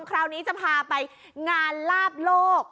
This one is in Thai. คราวนี้จะพาไปงานลาบโลก